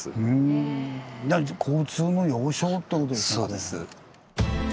そうです。